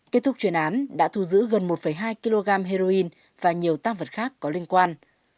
kết thúc chuyên án đã thu giữ gần một hai kg heroin và nhiều tam vật khác có liên quan